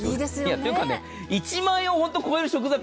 というか１万円を超える食材